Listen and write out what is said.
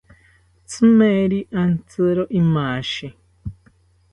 Tzimeri rantizro imashi